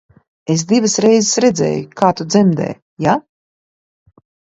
Es divas reizes redzēju, kā tu dzemdē, ja?